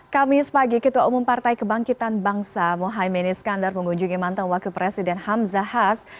kami sepagi ketua umum partai kebangkitan bangsa mohaimin iskandar mengunjungi mantan wakil presiden hamzah has